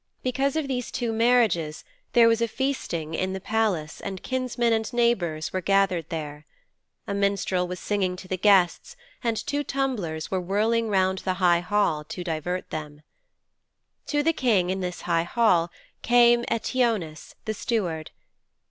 Because of these two marriages there was feasting in the palace and kinsmen and neighbours were gathered there. A minstrel was singing to the guests and two tumblers were whirling round the high hall to divert them. To the King in his high hall came Eteoneus, the steward.